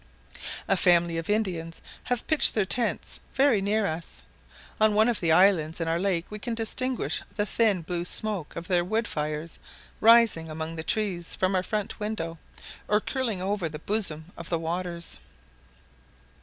A family of Indians have pitched their tents very near us. On one of the islands in our lake we can distinguish the thin blue smoke of their wood fires, rising among the trees, from our front window, or curling over the bosom of the waters.